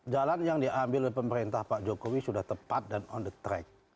jalan yang diambil oleh pemerintah pak jokowi sudah tepat dan on the track